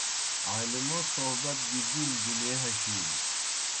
عالمو صحبت گی دِین دُنیے ہشِینیْ